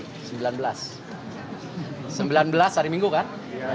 sembilan belas hari minggu kan